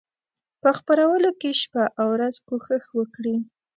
په خپرولو کې شپه او ورځ کوښښ وکړي.